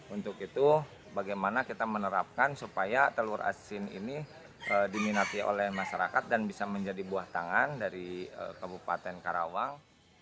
untuk itu bagaimana kita menerapkan supaya telur asin ini diminati oleh masyarakat dan bisa menjadi buah tangan dari kabupaten karawang